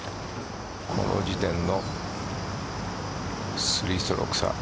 この時点の３ストローク差。